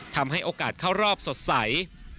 ทำให้โอกาสเข้ารอบสดใส